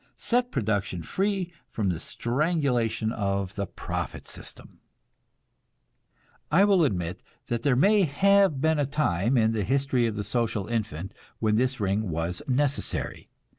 Set production free from the strangulation of the profit system. I will admit that there may have been a time in the history of the social infant when this ring was necessary.